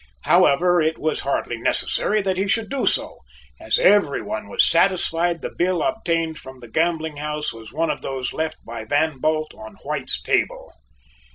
However, it was hardly necessary that he should do so as every one was satisfied the bill obtained from the gambling house was one of those left by Van Bult on White's table.